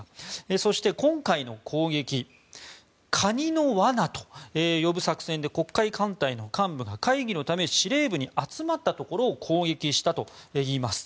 そして、今回の攻撃はカニの罠と呼ぶ作戦で黒海艦隊の幹部が会議のため司令部に集まったところを攻撃したといいます。